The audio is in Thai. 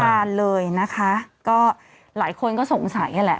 นานเลยนะคะก็หลายคนก็สงสัยนั่นแหละ